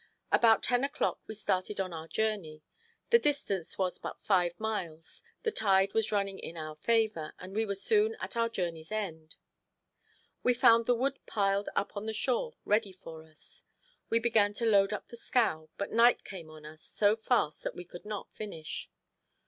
About ten o'clock we started on our journey. The distance was but five miles, the tide was running in our favor, and we were soon at our journey's end. We found the wood piled up on the shore ready for us. We began to load up the scow, but night came on us so fast that we could not finish.